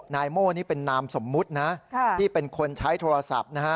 นายโม่นี่เป็นนามสมมุตินะที่เป็นคนใช้โทรศัพท์นะฮะ